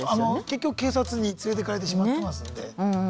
結局警察に連れていかれてしまってますんで。